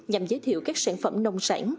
nhằm giới thiệu các sản phẩm nông sản